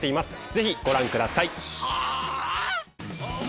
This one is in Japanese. ぜひご覧ください。